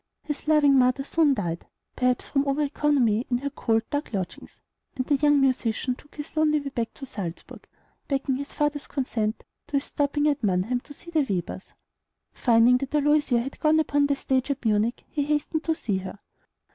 His loving mother soon died, perhaps from over economy in her cold, dark lodgings; and the young musician took his lonely way back to Salzburg, begging his father's consent to his stopping at Mannheim to see the Webers. Finding that Aloysia had gone upon the stage at Munich, he hastened to see her.